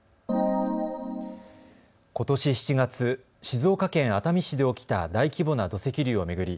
ことし７月、静岡県熱海市で起きた大規模な土石流を巡り